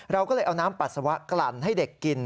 เราก็เลยเอาน้ำปัสสาวะกลั่นให้เด็กกิน